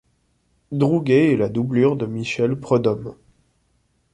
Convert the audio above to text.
Drouguet est la doublure de Michel Preud'homme.